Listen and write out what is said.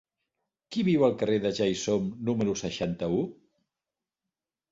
Qui viu al carrer de Ja-hi-som número seixanta-u?